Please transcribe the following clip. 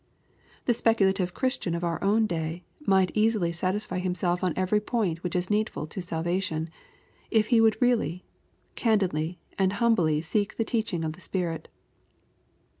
The "^speculative Christian of our own day, might easily satisfy himself on every point which is needful to salvation, if he would really, candidly, and humbly seek the teaching of the Spirit.